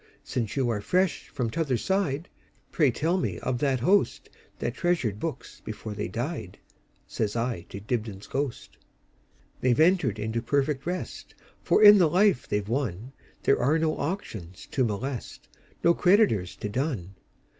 "Since you are fresh from t'other side, Pray tell me of that hostThat treasured books before they died,"Says I to Dibdin's ghost."They 've entered into perfect rest; For in the life they 've wonThere are no auctions to molest, No creditors to dun.